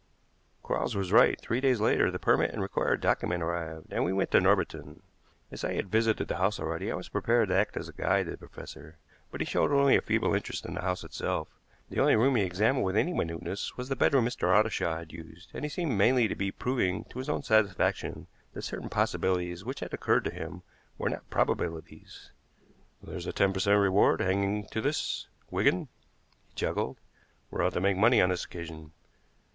Quarles was right. Three days later the permit and the required document arrived, and we went to Norbiton. As I had visited the house already, I was prepared to act as guide to the professor, but he showed only a feeble interest in the house itself. The only room he examined with any minuteness was the bedroom Mr. Ottershaw had used, and he seemed mainly to be proving to his own satisfaction that certain possibilities which had occurred to him were not probabilities. "There's a ten per cent. reward hanging to this, Wigan," he chuckled. "We're out to make money on this occasion.